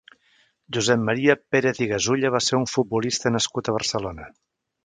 Josep Maria Pérez i Gasulla va ser un futbolista nascut a Barcelona.